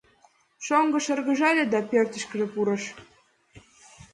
Шоҥго шыргыжале да пӧртышкыжӧ пурыш.